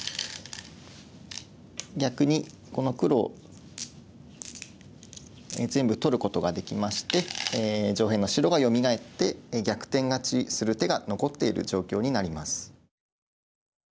逆にこの黒を全部取ることができまして上辺の白がよみがえって逆転勝ちする手が残っている状況になります。